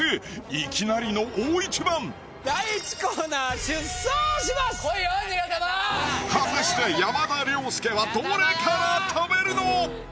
いきなりの大一番果たして山田涼介はどれから食べるの？